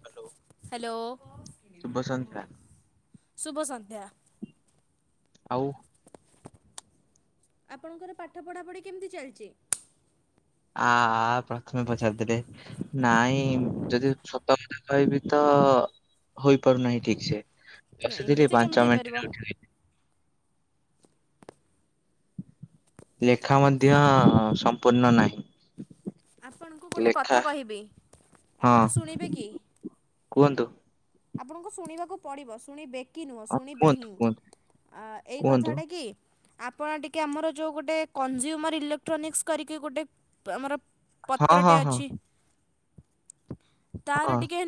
Hello hello ଶୁଭସନ୍ଧ୍ୟା। ଶୁଭ ସନ୍ଧ୍ୟା। ଆଉ। ଆପଣଙ୍କର ପାଠ ପଢ଼ାପଢ଼ି କେମିତି ଚାଲିଛି? ଆ ପ୍ରଥମେ ପଚାରିଦେଲେ ନାଇଁ ଯଦି ସତ କଥା କହିବି ତ ହ ହୋଇପାରୁନାହିଁ ଠିକ ସେ। ବସିଥିଲି ଏମିତି କେମିତି ପାଞ୍ଚ ହେଇପାରିବ? ମିନିଟରେ ଉଠିଲି। ଲେଖା ମଧ୍ୟ ସମ୍ପୂର୍ଣ୍ଣ ନାହିଁ। ଆପଣଙ୍କୁ ଗୋଟେ ଲେଖା କଥା କହିବି ଆପଣ ହଁ ଶୁଣିବେ କି? କୁହନ୍ତୁ। ଆପଣଙ୍କୁ ଶୁଣିବାକୁ ପଡିବ ଶୁଣିବେ। କି ନୁହଁ ହଁ ଶୁଣିବେ କୁହନ୍ତୁ ହିଁ କୁହନ୍ତୁ ଆ ଏଇ କୁହନ୍ତୁ କଥାଟା କି ଆପଣ ଟିକେ ଆମର ଯୋଉ ଗୋଟେ କନଜୁମର ଇଲେକ୍ଟ୍ରୋନିକ୍ସ କରିକି ଗୋଟେ ଆମର ହଁ ହଁ ପତ୍ରଟେ ହଁ ଅଛି ତାର ହଁ ଟିକେ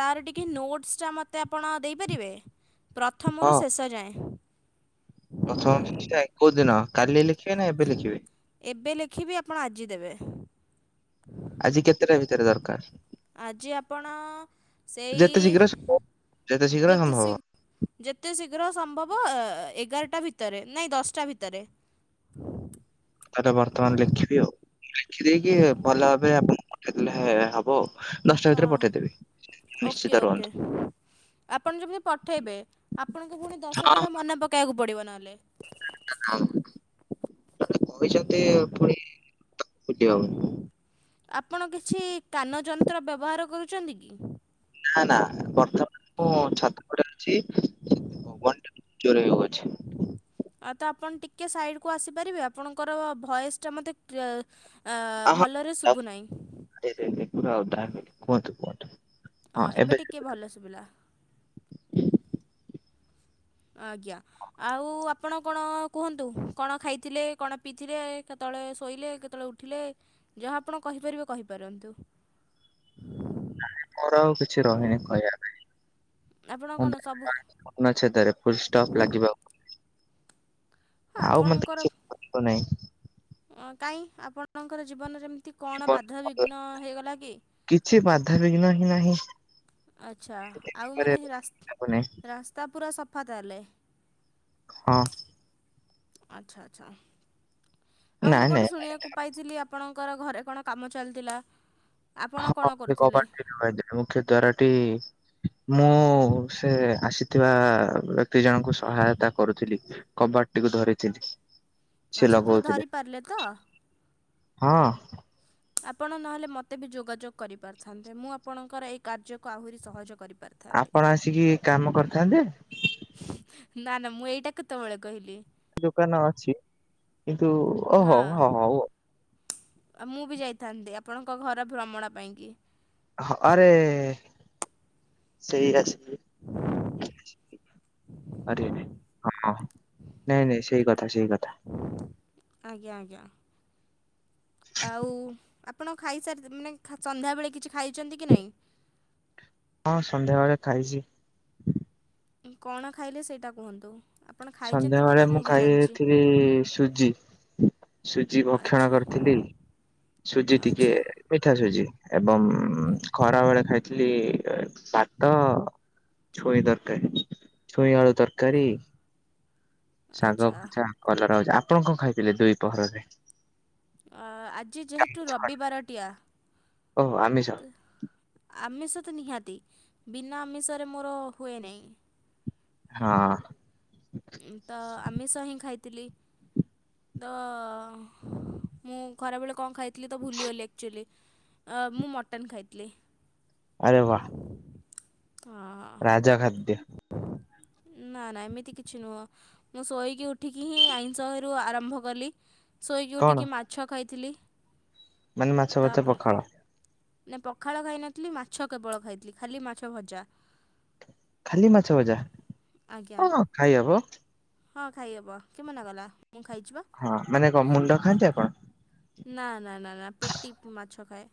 ତାର ଟିକେ ନୋଟ୍ସ୍ ଟା ମତେ ଆପଣ ଦେଇପାରିବେ? ପ୍ରଥମରୁ ଶେଷ ଯାଏଁ। ପ୍ରଥମରୁ ଶେଷଯାଏ? ଏବେ ଲେଖିବି ଆପଣ ଆଜି ଦେବେ। ଆଜି କେତେଟା ଭିତରେ ଦରକାର? ଆଜି ଆପଣ ଯେତେ ଶୀଘ୍ର ସେଇ ସମ୍ଭବ। ଶୀଘ୍ର ଯେତେ ସମ୍ଭବ ଶୀ ଯେତେ ଶିଘ୍ର ସମ୍ଭବ ଏ ଏଗାର ଟା ଭିତରେ ନାଇଁ ଦଶଟା ଭିତରେ। ତାହେଲେ ବର୍ତ୍ତମାନ ଲେଖିବି ଆଉ। ଲେଖିଦେଇକି ଭଲ ଭାବେ ଆପଣଙ୍କୁ ପଠେଇଦେଲେ ହେ ହବ ଆଉ। ଦଶଟା ହଁ ଭିତରେ ହଁ ପଠେଇଦେବି। ନିଶ୍ଚିତ ଓକେ ଓକେ। ରୁହନ୍ତୁ। ଆପଣ ଯେମିତି ପଠେଇବେ ଆପଣଙ୍କୁ ପୁଣି ଦଶ ଥର ମନେ ପକେଇବାକୁ ପଡିବ ନହେଲେ। [unintelligible] କହିଚନ୍ତି ଫୁଣି ଭୁଲିହବନି। ଆପଣ କିଛି କାନ ଯନ୍ତ୍ର ବ୍ୟବହାର କରୁଛନ୍ତି କି? ନା ନା ବର୍ତ୍ତମାନ ମୁଁ ଛାତଓପରେ ଅଛି। ପବନଟା ବହୁତ୍ ଜୋରେ ହୋ ଆ ତ ଆପଣ ଟିକ କେ ସାଇଡ କୁ ଆସି ପାରିବେ? ଆପଣଙ୍କର ଭଏସ୍ ଟା ମୋତେ କ୍ରିଅ ଆହା ଆ, କୁହନ୍ତୁ କୁହନ୍ତୁ। ହଁ ଏବେ ଟିକେ ଭଲ ଶୁବିଲା। ଆଜ୍ଞା, ଆଉ ଆପଣ କଣ କୁହନ୍ତୁ? କଣ ଖାଇଥିଲେ? କଣ ପିଇଥିଲେ? କେତ ତଳେ ଶୋଇଲେ? କେତେଳେ ଉଠିଲେ? ଯାହା ଆପଣ କହିପାରିବେ କହିପାରନ୍ତୁ? ମୋର ଆଉ କିଛି ରହିନି କହିବା ପାଇଁ। ଆପଣ କଣ ସବୁ [inaudible] ପୁନଛେଦ ରେ ଫୁଲ ଷ୍ଟପ୍ ଲାଗିବ। ହଁ ଆଉ ମୋତେ ଆପଣଙ୍କର କିଛି [inaudible] ନାଇଁ। କାଇଁ ଆପଣଙ୍କର ଜୀବନରେ ଏମ [inaudible] କିଛି ବାଧାବିଘ୍ନ ହିଁ ନାହିଁ। ଆଚ୍ଛା ଏ- ଏ- ଆଉ ଏ- ମାନେ ହେ ରାସ୍ ଏ- ଏ- ଏ- ରାସ୍ତା ପୁରା ସଫା ତାହେଲେ? ହଁ। ଆଚ୍ଛା, ଆଚ୍ଛା, ଆଉ ମୁଁ ନାଇଁ ନାଇଁ କଣ ଶୁଣିବାକୁ ପାଇଥିଲି ଆପଣ ଙ୍କର ଘରେ କଣ କାମ ଚାଲିଥିଲା? ଆପଣ କଣ ହଁ ସେ କରୁଥିଲେ? କବାଟ [inaudible] ମୁଖ୍ୟ ଦ୍ୱାରଟି ମୁଁ ସେ ଆସିଥିବା ବ୍ୟକ୍ତି ଜଣଙ୍କୁ ସହାୟତା କରୁଥିଲି। କବା ପାଟିକୁ ଧରିଥିଲି। ସେ ଆଚ୍ଛା ଆପଣ ଲଗଉଥିଲେ ଧରିପାରିଲେ ତ? ହଁ ଆପଣ ନହେଲେ ମୋତେ ବି ଯୋଗାଯୋଗ କରିପାରିଥାନ୍ତେ। ମୁଁ ଆପଣଙ୍କର ଏଇ କାର୍ଯ୍ୟକୁ ଆହୁରି ସହଜ କରି ଆପଣ ଆସିକି କାମ କରିଥାନ୍ତେ? ନା ନା ମୁଁ ଏଇଟା କେତେବେଳେ କହିଲି। ଦୋକାନ ଅଛି। କିନ୍ତୁ ଓହୋ ହଁ ହଉ ଆଉ। ଆଉ ମୁଁ ବି ଯାଇଥାନ୍ତି ଆପଣଙ୍କ ଘର ଭ୍ରମଣ ପାଇଁକି। ହଁ ଆରେ ସେଇ ଆସ [inaudible] ଆରେ ଆରେ ହଁ ନାଇଁ ନାଇଁ ସେଇ କଥା ସେଇ କଥା। ଆଜ୍ଞା, ଆଜ୍ଞା। ଆଉ ଆପ ଆପଣ ଖାଇ ସାରି ମାନେ ସନ୍ଧ୍ୟାବେଳେ କିଛି ଖାଇଚନ୍ତି କି ନାହିଁ? ହଁ ସନ୍ଧ୍ୟାବେଳେ ଖାଇଚି। କଣ ଖାଇଲେ ସେଇଟା କୁହନ୍ତୁ? ଆପଣ ଖାଇଛନ୍ତି ବୋଲି ସନ୍ଧ୍ୟାବଳେ ତ ମୁଁ ବି ଜାଣିଛି ଖାଇଥିଲି ସୁଜି। ସୁଜି ଭକ୍ଷଣ ଆଚ୍ଛା କରିଥିଲି। ସୁଜି ଟିକେ ଆଚ୍ଛା ପିଠା ସୁଜି। ଏବଂ ଉଁ, ଖରା ବେଳେ ଖାଇଥିଲି ଏ ଭାତ ଛୁଇଁ ତରକାରୀ, ଛୁଇଁ ଆଳୁ ତରକାରୀ ଶାଗ ଆଚ୍ଛା ଭଜା, କଲରା ଭଜା। ଆପଣ କଣ ଖାଇଥିଲେ ଦୁଇ ପୋହରରେ? ଅ, ଆଜି ଯେହେତୁ ରବିବାରଟିଆ ଓହୋ ଆମିଷ ତ ଆମିଷ ତ ନିହାତି ବିନା ଆମିଷରେ ମୋର ହୁଏ ନାଇ। ହଁ। ଉଁ, ତ ଆମିଷ ହିଁ ଖାଇଥିଲି। ତ ମୁଁ ଖରାବେଳେ କଣ ଖାଇଥିଲି ତ ଭୁଲିଗଲି ଏକ୍ଚୁଲି। ଅ, ମୁଁ ମଟନ୍ ଖାଇଥିଲି। ଆରେ ବାଃ। ରାଜା ଖାଦ୍ୟ। ନା। ନା ନା ଏମିତି କିଛି ନୁହଁ। ମୁଁ ଶୋଇକି ଉଠିକି ହିଁ ଆଇଁଷରୁ ଆରମ୍ଭ କଲି। ଶୋଇକି କଣ ଉଠିକି ମାଛ ଖାଇଥିଲି। ମାନେ ମାଛ ତା ଭଜା ପଖାଳ। ନା ପଖାଳ ଖାଇନଥିଲି। ମାଛ କେବଳ ଖାଇଥିଲି। ଖାଲି ମାଛ ଭଜା। ଖାଲି ମାଛ ଭଜା ଆଜ୍ଞା ହଁ ଖାଇ ହବ। ହଁ ଖାଇ ହବ କିଏ ମନା କଲା? ମୁଁ ଖାଇଛି ବା ହଁ ମାନେ କଣ ମୁଣ୍ଡ ଖାଆନ୍ତି ଆପଣ? ନା ନା ନା ନା ପେଟି ମାଛ ଖାଏ।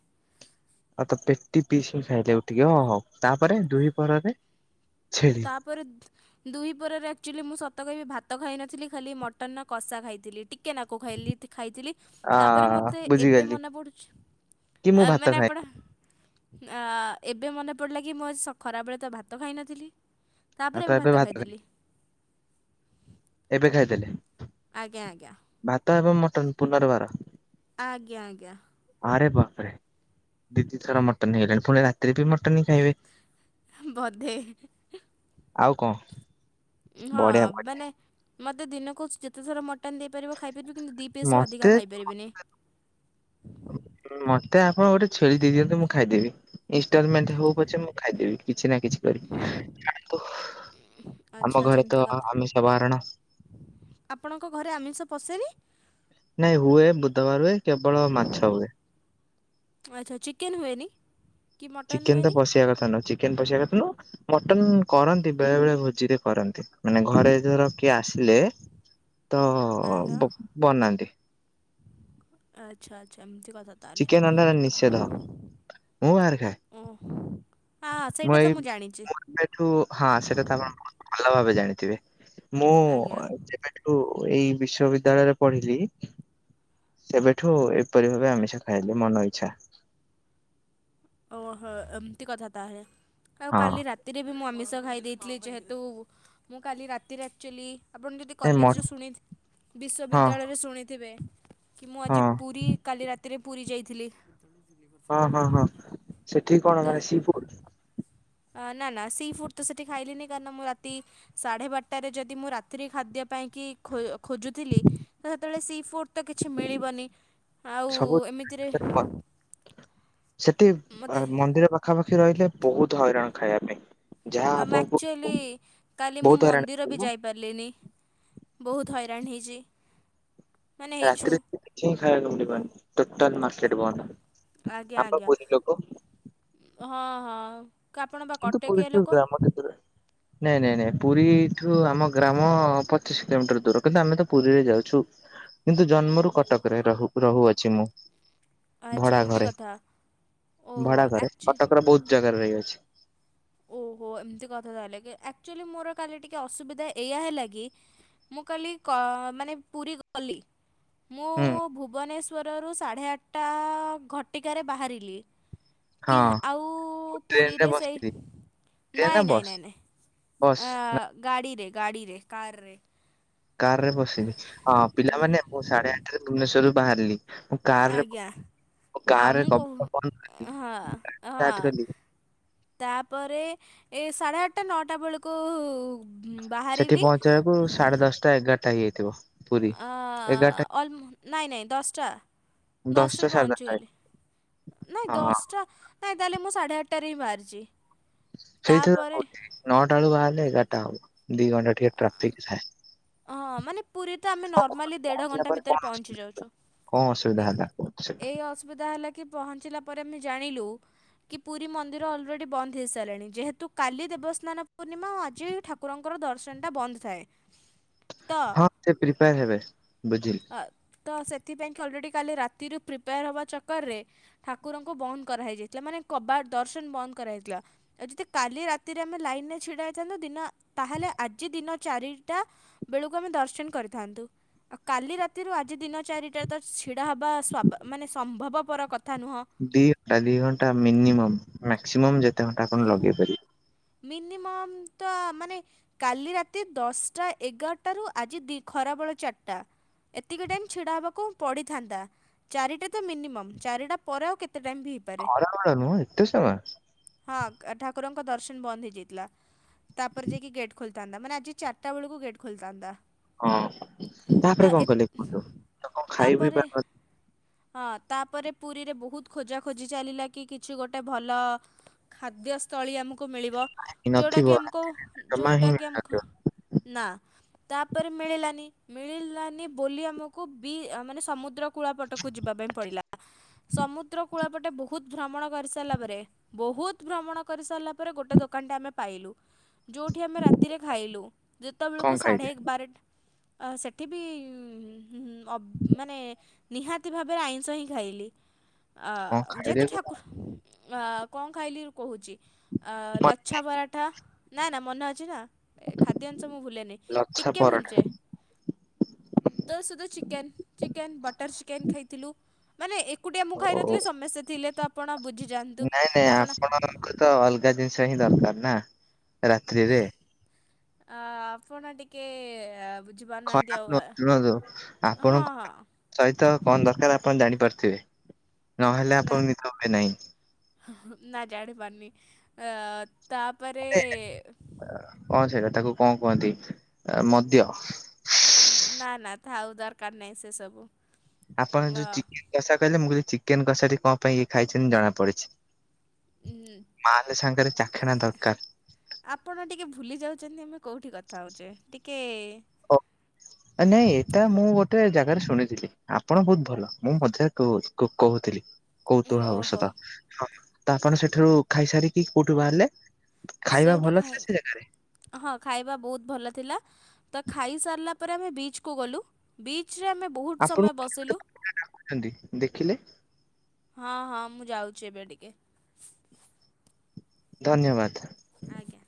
ଆଉ ତ ପେଟି ପିସିକି ଖାଇଲେ ଟିକେ ହଁ ହଉ ତାପରେ ଦୁହି ପହରରେ ଛେଳି ତାପରେ ଦୁହି ପରେ ଆକ୍ଚୁଆଲି ମୁଁ ସତ କହିବି ଭାତ ଖାଇନଥିଲି ଖାଲି ମଟନ କଷା ଖାଇଥିଲି। ଟିକେନାକୁ ଖାଇଲି ଖାଇଥିଲି ଆ ତାପରେ ମୋର ଏବେ ବୁଝିଗଲି ମନା ପଡୁଛି। କି ମୁଁ ଆ ଭାତ ମାନେ ଖାଏ ଆପଣ ଆ ଏବେ ମନେ ପଡିଲା କି ମୁଁ ଆଜି ଖରାବେଳେ ତ ଭାତ ଖାଇନଥିଲି। ଆଉ ତ ଏବେ ଭାତ ଖାଇ ଏବେ ଖାଇଦେଲେ। ଆଜ୍ଞା ଆଜ୍ଞା। ଭାତ ଏବଂ ମଟନ ପୁନର୍ବାର। ଆଜ୍ଞା ଆଜ୍ଞା। ଆରେ ବାପରେ ଦି ଦି ଥର ମଟନ ହେଇଗଲେଣି ପୁଣି ରାତି ବି ମଟନ ହିଁ ଖାଇବେ ବୋଧେ ଆଉ କଣ? ହଁ ବଢିଆ ମାନେ ମତେ ଦିନକୁ ଯେତେଥର ମଟ ନ ଦେଇପାରିବ ଖାଇପାରିବ କିନ୍ତୁ ଦୁଇ ବଢିଆ ପିସରୁ ଅଧିକ ମତେ ଖାଇପାରିବିନି। ମତେ ଆପଣ ଗୋଟେ ଛେଳି ଦେଇଦିଅନ୍ତୁ ମୁଁ ଖାଇଦେବି। ଇନଷ୍ଟଲମେଣ୍ଟ ହଉ ପଛେ ମୁଁ ଖାଇଦେବି କିଛି ନା କିଛି କରିବି। ଆଚ୍ଛା ଆମ ଆଚ୍ଛା ଘରେ ଏମିତି ତ କଥା ଆମେ ସବାହରଣା। ଆପଣଙ୍କ ଘରେ ଆମିଷ ପଶେ ନାଇଁ ହୁଏ ବୁଧବାର ହୁଏ କେବଳ ମାଛ ହୁଏ। ଆଚ୍ଛା ଚିକେନ ହୁଏନି? କି ମଟନ୍ ଚିକେନ ତ ହୁଏନି ପଶିବା କଥା ନହ ଚିକେନ ପଶିବା କଥା ନୁହଁ। ମଟନ କରନ୍ତି ବେଳେ ବେଳେ ଭୋଜିରେ କରନ୍ତି ମାନେ ଘରେ ଯେତଳେ କିଏ ଆସିଲେ ତ ଆଜ୍ଞା ବନାନ୍ତି। ଆଚ୍ଛା ଆଚ୍ଛା ଏମତି କଥା ଚିକେନ ଅଣ୍ଡା ନିଷେଧ ତାହେଲେ ମୁଁ ବାହାରେ ଖାଏ ଓ [inaudible] ମୁଁ ସେଇଟା ତ ଜାଣିଛି ଏଇଠୁ ହଁ ସେଇଟା ତ ଆପଣ ବହୁତ ଭଲ ଭାବେ ଜାଣିଥିବେ ମୁଁ ଆଜ୍ଞା ଯେବେଠୁ ଏଇ ବିଶ୍ଵବିଦ୍ୟାଳୟରେ ପଢିଲି ସେବେଠୁ ଏପରି ଭାବେ ଆମିଷ ଖାଇଲି ମନ ଇଛା। ଓହୋ ଏମିତି କଥା ତାହେଲେ ଆଉ ହଁ କାଲି ରାତିରେ ବି ମୁଁ ଆମି ଖାଇ ଦେଇଥିଲେ ଯେହେତୁ ମୁଁ କାଲି ରାତିିରେ ଆକ୍ଚୁଲି ଆପଣ ଯଦି ଏ ମ କଲେଜରୁ ହଁ ଶୁଣି ବିଶ୍ୱବିଦ୍ୟାଳୟରେ ଶୁଣିଥିବେ। କି ମୁଁ ଆଜି ହଁ ପୁରୀ କାଲି ରାତିରେ ପୁରୀ ଯାଇଥିଲି। ହଁ ହଁ ହଁ ସେଠି କଣ ମାନେ ତ ସିପୁର ନା ନା ସି ଫୁଡ ତ ସେଠି ଖାଇଲିି କାରଣ ମୁଁ ରାତି ସାଢେ ବାରଟାରେ ଯଦି ମୁଁ ରାତିରେ ଖାଦ୍ୟ ଖୋଜୁ ଥିଲି ସେତେବେଳେ ସି ଫୁଡ ମିଳିବନି। ଆଉ ସବୁ ଏମିତିରେ ସେଠି ମୋତେ ମନ୍ଦିର ପାଖାପାଖି ରହିଲେ ବହୁତ ହଇରାଣ ଖାଇବା ପାଇଁ ଯାହା ଆମ ଆପଣଙ୍କୁ ଆକ୍ଚୁଆଲି କାଲି ମୁଁ ବହୁତ ହଇରାଣ ମନ୍ଦିର ବି କରିବ ଯାଇପାରିଲିନି। ବହୁତ ହଇରାଣ ହେଇଛି। ମାନେ ହେଇଛୁ ରାତିରେ କିଛି ଖାଇବାକୁ ମିଳିବନି। ଟୋଟାଲ ମାର୍କେଟ ବନ୍ଦ ଆଜ୍ଞା ଆମ ପା ଆଜ୍ଞା ପୁରୀ ଲୋକ। ହଁ ହଁ ଆପଣ ବା କିନ୍ତୁ କଟକିଆ ପରିଚୟ ଲୋକ [unintelligible] ନାଇଁ ନାଇଁ ନାଇଁ ପୁରୀଠୁ ଆମ ଗ୍ରାମ ପଚିଶ କିଲୋମିଟର ଦୂର କିନ୍ତୁ ଆମେ ତ ପୁରୀରେ ଯାଉଛୁ। କିନ୍ତୁ ଜନ୍ମରୁ କଟକରେ ରହୁ ରହୁଅଛି ମୁଁ। ଆଚ୍ଛା ଭଡା ଏମିତି ଘରେ କଥା ଓହୋ ଭଡା ଘରେ କଟକର ବହୁତ ଜାଗାରେ ରହିଅଛି ଓ [inaudible] ହ ଏମିତି କଥା ତାହଲେ ଆଚୁଲି ମୋର କାଲି ଟିକେ ଅସୁବିଧା ଏଇ ହେଲା କି ମୁଁ କା ମାନେ ପୁରୀ ଗଲି ମୁଁ ହୁଁ ଭୁବନେଶ୍ୱରରୁ ସାଢ଼େ ଆଠଟା ଘଟିକାରେ ବାହାରିଲି କି ହଁ ଆଉ ମୁଁ ଟ୍ରେନରେ ପୁରୀରେ ସେଇ ବସିଥିଲି ଟ୍ରେନ ନା ନାଇଁ ନାଇଁ ବସ୍ ନାଇଁ ନାଇଁ ବସ୍ ଆ ନା ଗା ଗାଡ଼ିରେ ଗାଡ଼ିରେ କାର ରେ କାର ରେ ବସିବି ହଁ ପିଲାମାନେ ମୁଁ ସାଢେ ଆଠରେ ଭୁବନେଶ୍ୱର ରୁ ବାହାରିଲି। ମୁଁ କାର ରେ ଆଜ୍ଞା ଆ, ଗାଁରେ ମୁଁ କହୁ ହଁ ହଁ [unintelligible] ତାପରେ ଏ ସାଢେ ଆଠଟା ନଅଟା ବେଳକୁ ସେଠି ବାହାରିଲି ପହଞ୍ଚବାକୁ ସାଢେ ଦଶଟା ଏଗାରଟା ହେଇଯାଇଥିବ। ପୁରୀ ଏଗାର ଟା। ଅଲ୍ ନାଇଁ ନାଇଁ ଦଶଟା ଦଶଟା ଦଶଟାରେ ସାଢେ ଦଶଟା ପହଞ୍ଚିଗଲି ନାଇଁ ହଁ ଦଶଟା ନାଇଁ ତାହେଲେ ମୁଁ ସାଢ଼େ ଆଠଟାରେ ହିଁ ବାହାରିଛି। ସେଇଥିର ତା'ପରେ ହଛି ନଅଟା ବେଳୁ ବାହାରିଲେ ଏଗାରଟା ହବ। ଦି ଘଣ୍ଟା ଟିକେ ଟ୍ରାଫିକ ଥାଏ। ହଁ ମାନେ ପୁରୀ ତ ଆମେ ହଁ କଣ ନର୍ମାଲି ଦେଢ଼ ପହଞ୍ଚିଲା ଘଣ୍ଟା ପରେ ଭିତରେ କଣ ପହଞ୍ଚି ଯାଉଛୁ। କଣ ଅସୁବିଧା ଏ ହେଲା କୁହନ୍ତୁ ସେଟା। ଏଇ ଅସୁବିଧା ହେଲା କି ପହଞ୍ଚିଲା ପରେ ଆମେ ଜାଣିଲୁ କି ପୁରୀ ମନ୍ଦିର ଅଲରେଡି ବନ୍ଦ ହେଇ ସାରିଲଣି ଯେହେତୁ କାଲି ଦେବସ୍ନାନ ପୂର୍ଣ୍ଣିମା ଆଜି ଠାକୁ ଠାକୁରଙ୍କର ଦର୍ଶନଟା ବନ୍ଦ ଥାଏ। ତ ହଁ ସେ ପ୍ରିପାର ହେବେ। ବୁଝିଲି ଅ ତ ସେ ସେଥିପାଇଁକ ଅଲରେଡ଼ି କାଲି ରାତିରୁ ପ୍ରିପେୟାର ହେବା ଚକରରେ ଠାକୁରଙ୍କୁ ବନ୍ଦ କରାହେଇଯାଇଥିଲା ମାନେ କବା ଦର୍ଶନ ବନ୍ଦ କରାଯାଇଥିଲା। ଆଉ ଯଦି କାଲି ରାତିରେ ଆମେ ଲାଇନରେ ଛିଡା ହେଇଥାନ୍ତୁ ଦିନ ତାହେଲେ ଆଜି ଦିନ ଚାରିଟା ବେଳକୁ ଆମେ ଦର୍ଶନ କରିଥାନ୍ତୁ। କାଲି ରାତିରୁ ଆଜି ଦିନ ଚାରିଟା ତ ଛିଡା ହବା ମାନେ ସମ୍ଭବପର କଥା ନୁହଁ ଦି ଘଣ୍ଟା ଦି ଘଣ୍ଟା ମିନିମ ମକ୍ସିମମ୍ ଯେତେ ଘଣ୍ଟା ଆପଣ ଲଗେଇ ପାରିବେ। ମିନିମମ ତ ମାନେ କାଲି ରାତି ଦଶଟା ଏଗାରଟ ର ଆଜି ଦ ଖରା ଖରାବେଳ ଚାରିଟା ଏତିକି ଟାଇମ ଛିଡା ହବାକୁ ପଡିଥାନ୍ତା ଚାରିଟା ତ ମିନିମମ ଚାରିଟା ପରେ ଆଉ ଟାଇମ୍ ବି ହେଇପାରେ ଖରା ବେଳେ ନୁହଁ ଏତେ ସେ ହଁ କ- ଠାକୁରଙ୍କ ଦର୍ଶନ ବନ୍ଦ ହେଇଯାଇଥିଲା। ତାପରେ ଯାଇକି ଗେଟ୍ ଖୋଲିଥାନ୍ତା। ମାନେ ଆଜି ଚାରିଟା ବେଳକୁ ଗେଟ୍ ଖୋଲିଥାନ୍ତା ହଁ ତ ତାପରେ ଏ କଣ କଲେ କୁହନ୍ତୁ କଣ ଖାଇ ପି ତାପରେ ପାରୁନ ହଁ ତାପରେ ପୁରୀ ରେ ବହୁତ ଖୋଜାଖୋଜି ଚାଲିଲା କି କିଛି ଗୋଟେ ଭଲ ଖାଦ୍ୟସ୍ଥଳୀ ଆମ ମିଳିବ ଯୋଉଁଟା ନଥିବ କି ଆମକୁ ଜମା ଯୋଉଁଟା ହିଁ କି ଆମକୁ ମିଳିନଥିବ ନା ତାପରେ ମିଳିଲାନି ମିଳିଲାନି ବୋଲି ଆମକୁ ବି ମାନେ ସମୁଦ୍ର କୁଳପଟକୁ ଯିବା ପାଇଁ ପଡିଲା। ସମୁଦ୍ର କୂଳ ପଟେ ବହୁତ ଭ୍ରମଣ କରିସାରିଲା ପରେ ବହୁତ ଭ୍ରମଣ କରି ସାରିଲା ପରେ ଗୋଟେ ଦୋକାନ ଟା ଆମେ ପାଇଲୁ। ଯେଉଁଠି ଆମେ ରାତିରେ ଖାଇଲୁ ଯେତେବେଳକୁ କଣ ସାଢ଼େ ଖାଇଲେ? ଏକ ବାରଟ ଆ ସେଠି ବି ମାନେ ନିହାତି ଭାବରେ ଆଇଁଷ ହିଁ ଖାଇଲି। ଅ କଣ ଖାଇଲେ ଯେହେତୁ କୁହ? ଠାକୁର ଅ କଣ ଖାଇଲି କହୁଛି। ଆ ଲଛା ପରାଠା ନାଁ ନାଁ ମନେ ଅଛି ନା। ଏ ଖାଦ୍ୟଂଶ ମୁଁ ଭୁଲେନି ଲଛା ଟିକେ ଭୁଲି ପରଟା ଯାଏଁ। ତୋ ସୁଧା ଚିକେନ ଚିକେନ୍ ବଟର୍ ଚିକେନ୍ ଖାଇଥିଲୁ। ମାନେ ଏକୁଟିଆ ମୁଁ ଓ ଖାଇନଥିଲି ସମସ୍ତେ ଥିଲେ ତ ଆପଣ ବୁଝିଯାଆନ୍ତୁ ନାଇଁ ନାଇଁ ଆପଣ ଆପଣଙ୍କୁ ତ ଅଲଗା ଜିନିଷ କିଛା ହିଁ ଦରକାର ନା ରାତ୍ରିରେ ଅ ଆପଣ ଟିକେ ବୁଝିପାରୁନାହାନ୍ତି ଆଉ ଖରାପ ଆ, ନୁହଁ ଶୁଣନ୍ତୁ ହଁ ହଁ ଆପଣଙ୍କ ସ ତ କଣ ଦରକାର ଆପଣ ଜାଣି ପାରୁଥିବେ। ନହେଲେ ନା ଆପଣ ନିତ ହୁଏ ନାଇଁ। ଆ ତାପରେ। ଏ କଣ ସେଇଟା ତାକୁ କଣ କୁହନ୍ତି ମଦ୍ୟ? ନା ନା ଥାଉ ଦରକାର ନାହିଁ ସେ ସବୁ। ଆପଣ ଯୋଉ ଚିକେନ କଷା କହିଲେ ମୁଁ କହିଲି ଚିକେନ କଷା ଟି କଣ ପାଇଁ ଇଏ ଖାଇଛନ୍ତି ଜଣା ପଡିଚି। ଉଁ, ମାଲେ ସାଙ୍ଗେରେ ଆପଣ ଟିକେ ଭୁଲିଯାଉଚନ୍ତି ମୁଁ କୋଉଠି କଥା ହଉଚେ ଟିକେ ଆ ନାଇଁ ଏତା ମୁଁ ଗୋତେ ଜାଗାରେ ଶୁଣିଥିଲି ଆପଣ ବହୁତ୍ ଭଲ। ମୁଁ ମଝାକ୍ କହୁଅଛି କ-କୋହୁଥିଲୀ। କୌତୁହଳ ଓହୋ ଅବଶ୍ୟତ ତ ଆପଣ ସେଠରୁ ଖାଇସାରିକି କୋଉଠୁ ବାହାରିଲେ? ଖାଇବା ସେଇଠୁ ଭଲ ଖାଏ ଥିଲା ସେ ଜାଗାରେ -ହଁ ଖାଇବା ବୋହୁତ୍ ଭଲଥିଲା। ତ ଖାଇସରିଲା ପରେ ଆମେ ବିଚ୍ କୁ ଗଲୁ। ବିଚ୍ ଚ୍ ରେ ଆମେ ବୋହୁତ୍ ସମୟ ଆପଣଙ୍କୁ କିଏ ଗୋଟେ ବସିଲୁ। କହୁଛନ୍ତି ଦେଖିଲେ ହଁ ହଁ ମୁ ଯାଉଛି ଏବେ ଟିକେ। ଧନ୍ୟବାଦ୍। ଆଜ୍ଞା।